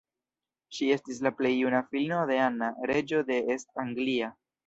Ŝi estis la plej juna filino de Anna, reĝo de East Anglia.